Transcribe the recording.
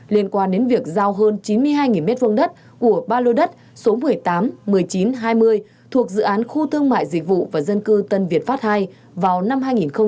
liên quan đến việc giao hơn chín mươi hai m hai đất của ba lô đất số một mươi tám một mươi chín hai mươi thuộc dự án khu thương mại dịch vụ và dân cư tân việt pháp ii vào năm hai nghìn một mươi